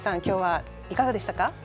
今日はいかがでしたか？